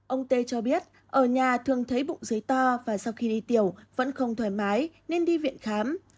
ông tê cho biết ở nhà thường thấy bụng giới to và sau khi đi tiểu vẫn không thoải mái nên đi viện khám